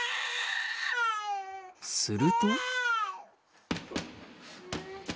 すると。